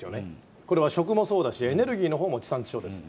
これは食もそうだしエネルギーの方も地産地消です。